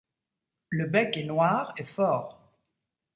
Le bec est noir et fort.